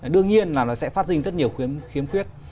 đương nhiên là nó sẽ phát dinh rất nhiều khuyến khuyết